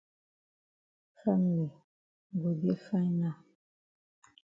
Family go dey fine now.